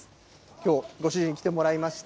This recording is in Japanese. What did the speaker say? きょう、ご主人、来てもらいました。